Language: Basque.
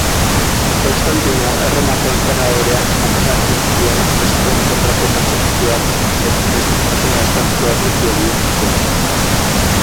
Konstantino Erromako enperadoreak bukarazi zituen kristauen kontrako pertsekuzioak eta kristautasuna estatuko erlijio bihurtu zuen.